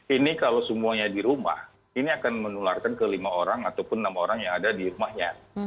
ini kalau semuanya di rumah ini akan menularkan ke lima orang ataupun enam orang yang ada di rumahnya